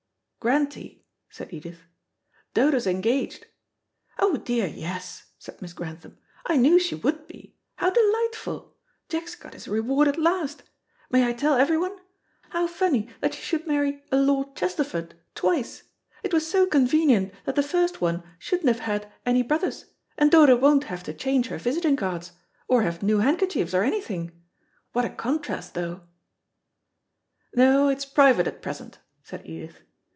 "Grantie," said Edith, "Dodo's engaged." "Oh, dear, yes," said Miss Grantham. "I knew she would be. How delightful. Jack's got his reward at last. May I tell everyone? How funny that she should marry a Lord Chesterford twice. It was so convenient that the first one shouldn't have had any brothers, and Dodo won't have to change her visiting cards; or have new handkerchiefs or anything. What a contrast, though!" "No, it's private at present," said Edith.